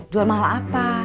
jual mahal apa